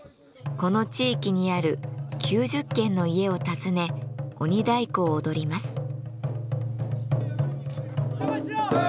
この地域にある９０軒の家を訪ね鬼太鼓を踊ります。